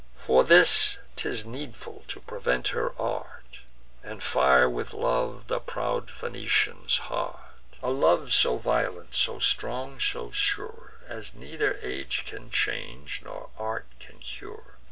For this 'tis needful to prevent her art, And fire with love the proud Phoenician's heart: A love so violent, so strong, so sure, As neither age can change, nor art can cure.